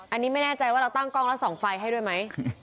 อันนี้ไม่แน่ใจว่าเราตั้งกล้องแล้วส่องไฟให้ด้วยไหม